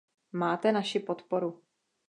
Máte naši podporu.